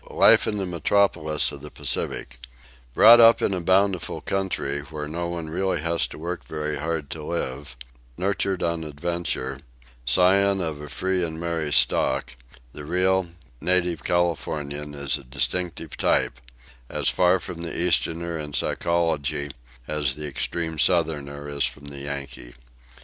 Life in the Metropolis of the Pacific Brought up in a bountiful country, where no one really has to work very hard to live, nurtured on adventure, scion of a free and merry stock, the real, native Californian is a distinctive type; as far from the Easterner in psychology as the extreme Southern is from the Yankee.